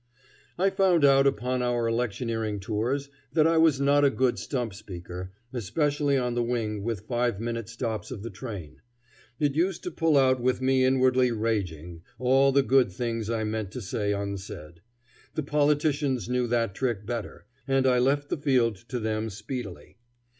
I found out upon our electioneering tours that I was not a good stump speaker, especially on the wing with five minute stops of the train. It used to pull out with me inwardly raging, all the good things I meant to say unsaid. The politicians knew that trick better, and I left the field to them speedily.